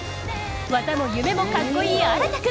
技も夢もかっこいい新君。